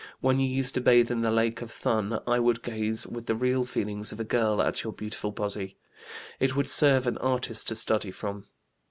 When you used to bathe in the Lake of Thun I would gaze with the real feelings of a girl at your beautiful body. It would serve an artist to study from."